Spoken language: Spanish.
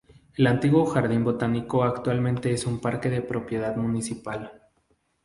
El antiguo jardín botánico actualmente es un parque de propiedad municipal.